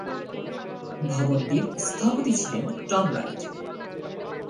ভবনটির স্থপতি ছিলেন টম রাইট।